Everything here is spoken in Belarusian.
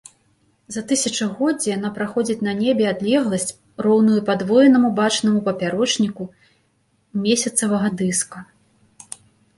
За тысячагоддзе яна праходзіць на небе адлегласць, роўную падвоенаму бачнаму папярочніку месяцавага дыска.